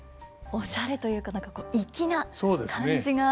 おしゃれというか何か粋な感じが。